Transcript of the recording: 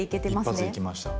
一発でいきました。